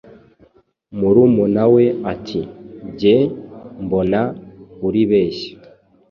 Murumunawe ati: "Njye mbona, uribeshya."